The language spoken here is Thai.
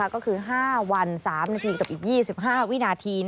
ก็คือ๕วัน๓นาทีกับอีก๒๕วินาที